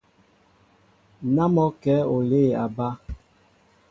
Ná mɔ́ o kɛ̌ olê a bá.